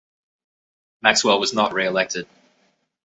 Maxwell was not re-elected.